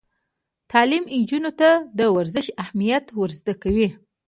تعلیم نجونو ته د ورزش اهمیت ور زده کوي.